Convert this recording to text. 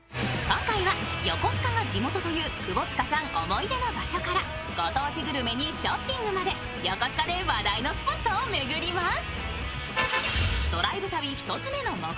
今回は横須賀が地元という窪塚さん思い出の場所からご当地グルメにショッピングまで横須賀で話題のスポットを巡ります。